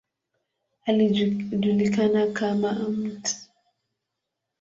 Alijulikana kama ""Mt.